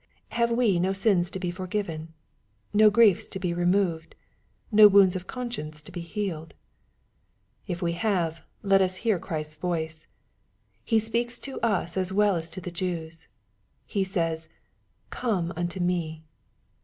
Have we no sins to be for given, no griefs to be removed, no wounds of conscience to be healed ? If we have, let us hear Christ's voice. He speaks to us as well as to the Jews. He says, " Come unto me."